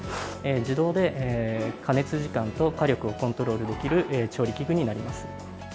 自動で加熱時間と火力をコントロールできる調理器具になります。